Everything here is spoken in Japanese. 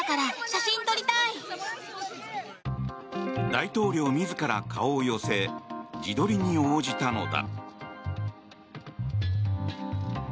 大統領自ら顔を寄せ自撮りに応じたのだ。